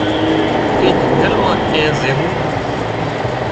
ڪي جنگل مان اين زويوون